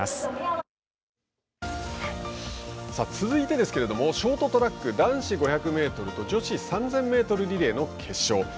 続いてですけれどもショートトラック男子５００ｍと女子３０００ｍリレーの決勝。